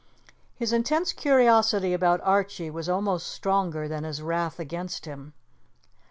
His intense curiosity about Archie was almost stronger than his wrath against him.